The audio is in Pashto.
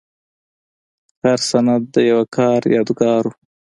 هر سند د یو کار یادګار و.